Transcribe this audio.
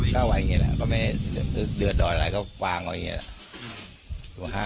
ถ้าว่ายังงี้ล่ะเดือดดอยละก็วางเอาอย่างนี้ล่ะ